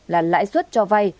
là lãi suất cho vai